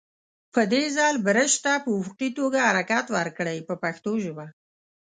په دې ځل برش ته په افقي توګه حرکت ورکړئ په پښتو ژبه.